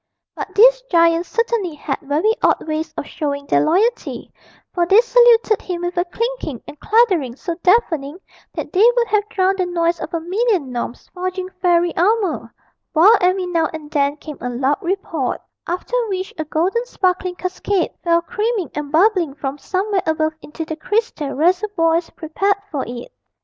But these giants certainly had very odd ways of showing their loyalty, for they saluted him with a clinking and clattering so deafening that they would have drowned the noise of a million gnomes forging fairy armour, while every now and then came a loud report, after which a golden sparkling cascade fell creaming and bubbling from somewhere above into the crystal reservoirs prepared for it.